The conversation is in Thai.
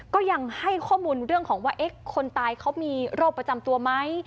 ก็ยังให้ข้อมูลเรื่องของว่าคนตายเขามีโรคประจำตัวไหม